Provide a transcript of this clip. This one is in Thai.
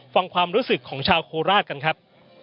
ฟังความรู้สึกของชาวโคราชกันครับ